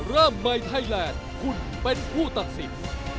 ร่ำใบไทยแลนด์คุณเป็นผู้ตัดสิน